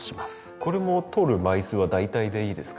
これも取る枚数は大体でいいですか？